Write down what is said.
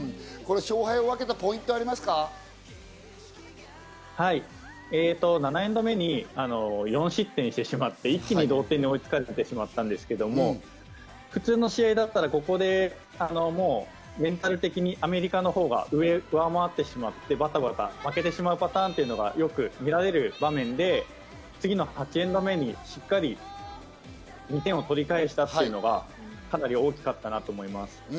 勝敗を分けたポイントはあり７エンド目に４失点してしまって、一気に同点に追いつかれてしまったんですけど、普通の試合だったら、ここでメンタル的にアメリカのほうが上回ってしまって、バタバタ負けてしまうパターンっていうのがよく見られる場面で、次の８エンド目にしっかり２点を取り返したというのがかなり大きかったなと思います。